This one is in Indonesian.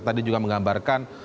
yang tadi juga menggambarkan